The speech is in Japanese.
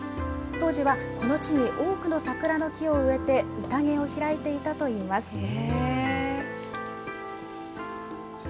当時は、この地に多くの桜の木を植えてうたげを開いていたといいます。